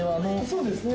そうですね。